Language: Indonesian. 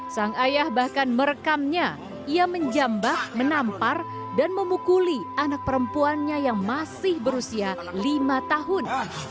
sang ayah bahkan merekamnya ia menjambah menampar dan memukuli anak perempuannya yang masih berusia lima tahun